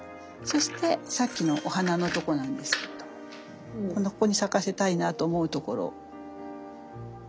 そしてさっきのお花のとこなんですけれどもここに咲かせたいなと思うところ。